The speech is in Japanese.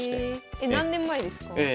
え何年前ですか？